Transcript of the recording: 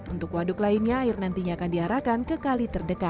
untuk waduk lainnya air nantinya akan diarahkan ke kali terdekat